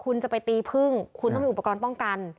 คุณจะไปตีพึ่งคุณต้องมีอุปกรณ์ป้องกัน